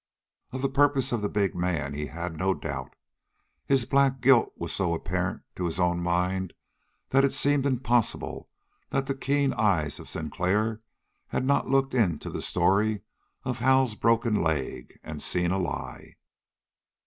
Of the purpose of the big man he had no doubt. His black guilt was so apparent to his own mind that it seemed impossible that the keen eyes of Sinclair had not looked into the story of Hal's broken leg and seen a lie.